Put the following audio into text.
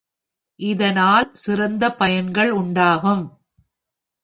இதனால் சிறந்த பயன்கள் உண்டாகும்.